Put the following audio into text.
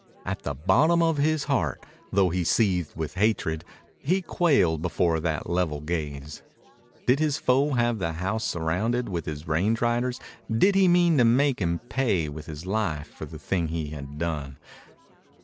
At the bottom of his heart, though he seethed with hatred, he quailed before that level gaze. Did his foe have the house surrounded with his range riders? Did he mean to make him pay with his life for the thing he had done?